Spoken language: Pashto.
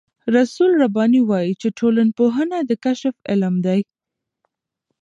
رسول رباني وايي چې ټولنپوهنه د کشف علم دی.